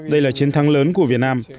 đây là chiến thắng lớn của việt nam